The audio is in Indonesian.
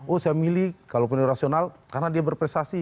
oh saya memilih kalau pemilih rasional karena dia berprestasi